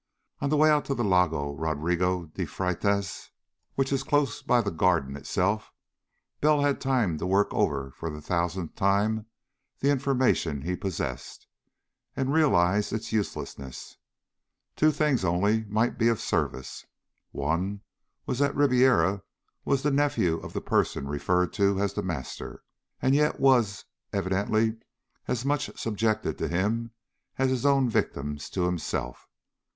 On the way out to the Lagao Rodrigo de Feitas, which, is close by the Garden itself, Bell had time to work over for the thousandth time the information he possessed, and realize its uselessness. Two things, only, might be of service. One was that Ribiera was the nephew of the person referred to as The Master, and yet was evidently as much subjected to him as his own victims to himself.